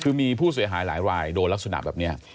คือมีผู้เสียหายหลายรายโดนลักษณะแบบนี้